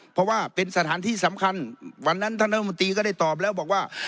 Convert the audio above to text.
เพราะว่าเป็นสถานที่สำคัญวันนั้นท่านรัฐมนตรีก็ได้ตอบแล้วบอกว่า